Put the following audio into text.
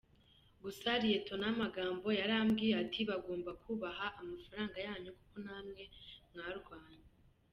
Gusa Lt Magambo yarambwiye ati bagomba kubaha amafranga yanyu kuko namwe mwararwanye.